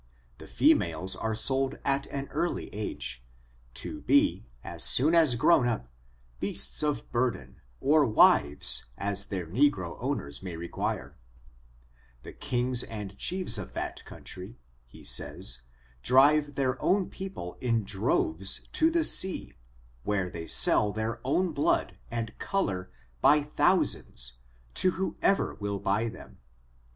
The females are sold at an early a^, to be, as soon as grown up, beasts of bur den, or wives, as their negro owners may require. The kings and chiefs of that country, he says, drive their own people in droves to the sea, where they sell their own blood and color by thousands, to whosoever %^k^k^«^ FORTUNES, OP THE NEGRO RACE. 263 will buy them.